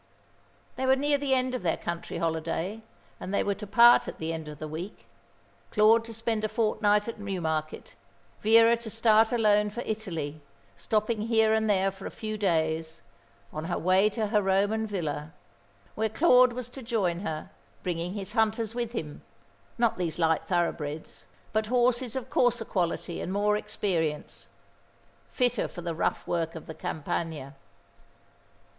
They were near the end of their country holiday, and they were to part at the end of the week, Claude to spend a fortnight at Newmarket, Vera to start alone for Italy, stopping here and there for a few days, on her way to her Roman villa, where Claude was to join her, bringing his hunters with him, not these light thoroughbreds, but horses of coarser quality and more experience, fitter for the rough work of the Campagna.